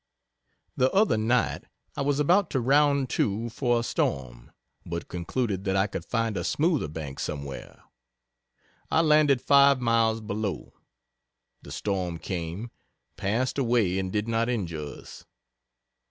The other night I was about to round to for a storm but concluded that I could find a smoother bank somewhere. I landed 5 miles below. The storm came passed away and did not injure us.